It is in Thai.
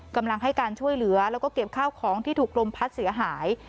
กำลังให้การช่วยเหลือแล้วก็เก็บข้าวของที่ถูกลมพัดเสียหาย